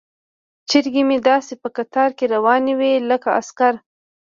چرګې مې داسې په قطار کې روانې وي لکه عسکر.